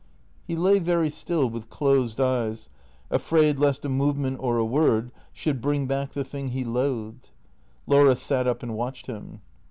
He lay very still, with closed eyes, afraid lest a movement or a word should bring back the thing he loathed. Laura sat up and watched him.